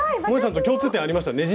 もえさんと共通点ありましたよ